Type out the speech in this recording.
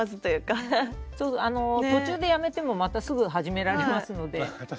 途中でやめてもまたすぐ始められますので。